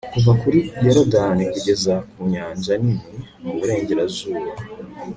kuva kuri yorudani kugeza ku nyanja nini, mu burengerazuba